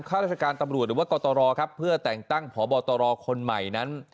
ข้าราชการตำรวจหรือว่ากตรครับเพื่อแต่งตั้งพบตรคนใหม่นั้น